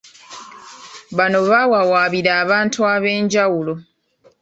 Bano baawaabira abantu ab'enjawulo